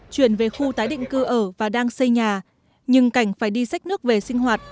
chuyển về khu tái định cư ở và đang xây nhà nhưng cảnh phải đi sách nước về sinh hoạt